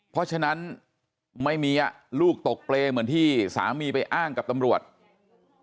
เพราะฉะนั้นไม่มีลูกตกเปรย์เหมือนที่สามีไปอ้างกับตำรวจ